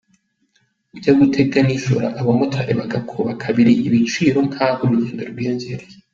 Ujya gutega nijoro abamotari bagakuba kabiri ibiciro nk’aho urugendo rwiyongereye.